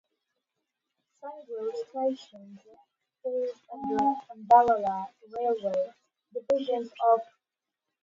Sangrur station falls under Ambala railway division of Northern Railway zone of Indian Railways.